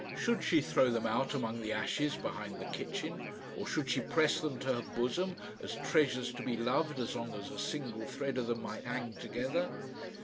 Should she throw them out among the ashes behind the kitchen, or should she press them to her bosom as treasures to be loved as long as a single thread of them might hang together?